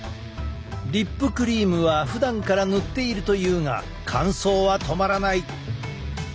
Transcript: リップクリームはふだんから塗っているというが乾燥は止まらない。